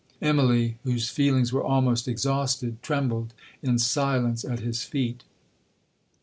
'Immalee, whose feelings were almost exhausted, trembled in silence at his feet.